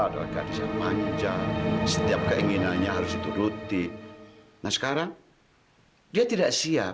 titipkan saja vino di sini